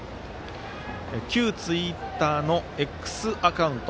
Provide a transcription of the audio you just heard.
旧ツイッターのＸアカウント